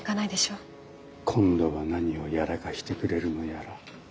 今度は何をやらかしてくれるのやら。